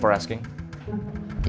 makasih udah nanya